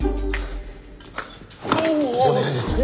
お願いです。